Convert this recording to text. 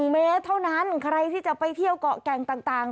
๑เมตรเท่านั้นใครที่จะไปเที่ยวเกาะแก่งต่าง